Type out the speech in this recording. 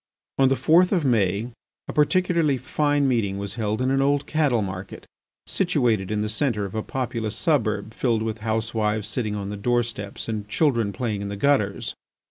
On the fourth of May a particularly fine meeting was held in an old cattle market, situated in the centre of a populous suburb filled with housewives sitting on the doorsteps and children playing in the gutters.